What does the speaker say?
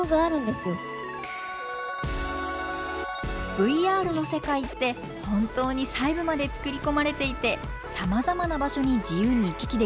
ＶＲの世界って本当に細部まで作り込まれていてさまざまな場所に自由に行き来できるそうなんです。